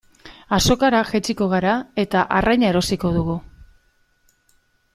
Azokara jaitsiko gara eta arraina erosiko dugu.